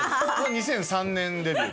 ２００３年デビュー。